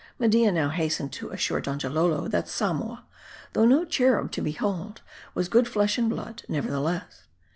Media now hastened to assure Donjalolo, that Samoa, though no cherub to behold, was good flesh and blood, nevertheless.